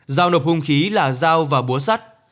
dao nộp hung khí là dao và búa sắt